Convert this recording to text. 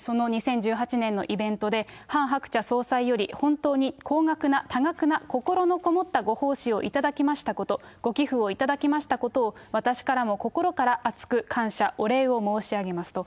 その２０１８年のイベントで、ハン・ハクチャ総裁より、本当に高額な多額な心の込もったご奉仕を頂きましたこと、ご寄付を頂きましたこと、私からも心から厚く感謝お礼を申し上げますと。